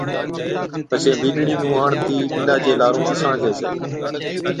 پڇي بِينڏڙِي نُون آڻتِي بِينڏا چي لارُون ٻِساڻجي ڇَي